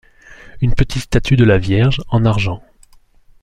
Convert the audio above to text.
Une petite statue de la Vierge, en argent.